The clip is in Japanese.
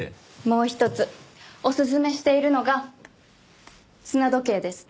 もう一つおすすめしているのが砂時計です。